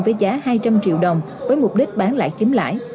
với giá hai trăm linh triệu đồng với mục đích bán lại kiếm lãi